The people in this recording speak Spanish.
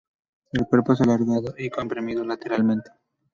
El cuerpo es alargado y comprimido lateralmente.